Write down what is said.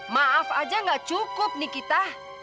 maaf aja gak cukup nikita